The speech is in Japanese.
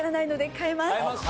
変えますか。